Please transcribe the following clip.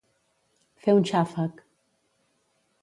Fer un xàfec.